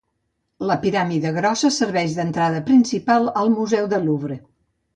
La piràmide grossa serveix d'entrada principal al Museu del Louvre.